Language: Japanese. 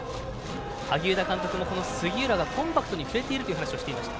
萩生田監督も、杉浦がコンパクトに振れていると話していました。